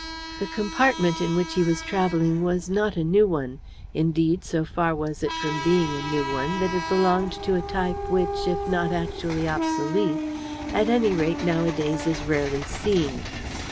The compartment in which he was travelling was not a new one; indeed, so far was it from being a new one, that it belonged to a type which, if not actually obsolete, at any rate nowadays is rarely seen.